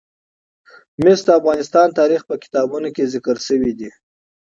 مس د افغان تاریخ په کتابونو کې ذکر شوی دي.